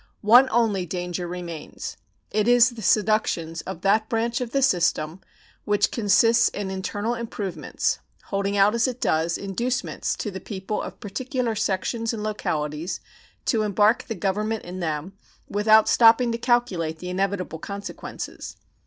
One only danger remains. It is the seductions of that branch of the system which consists in internal improvements, holding out, as it does, inducements to the people of particular sections and localities to embark the Government in them without stopping to calculate the inevitable consequences.